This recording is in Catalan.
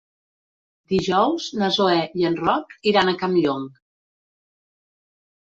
Dijous na Zoè i en Roc iran a Campllong.